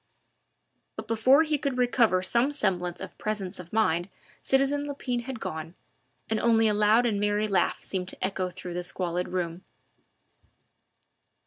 But before he could recover some semblance of presence of mind citizen Lepine had gone, and only a loud and merry laugh seemed to echo through the squalid room.